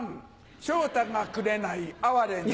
昇太がくれない哀れなり。